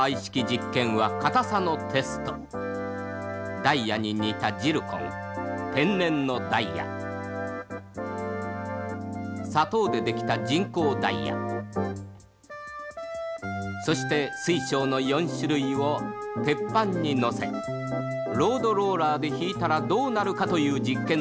ダイヤに似たジルコン天然のダイヤ砂糖でできた人工ダイヤそして水晶の４種類を鉄板に載せロードローラーでひいたらどうなるかという実験である。